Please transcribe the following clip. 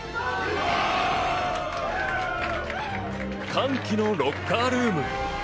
歓喜のロッカールーム。